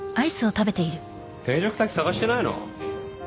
転職先探してないの？